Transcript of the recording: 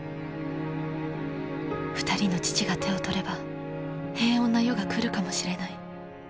２人の父が手を取れば平穏な世が来るかもしれない。